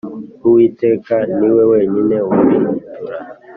Uwiteka niwe wenyine wabihindura.